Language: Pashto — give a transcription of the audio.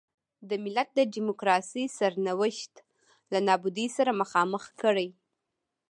د ملت د ډیموکراسۍ سرنوشت له نابودۍ سره مخامخ کړي.